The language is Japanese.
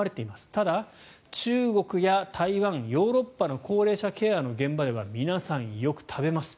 ただ、中国や台湾ヨーロッパの高齢者ケアの現場では皆さんよく食べます。